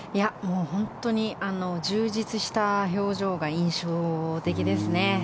本当に充実した表情が印象的ですね。